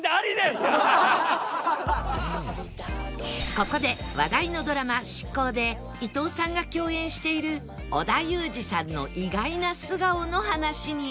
ここで話題のドラマ『シッコウ！！』で伊藤さんが共演している織田裕二さんの意外な素顔の話に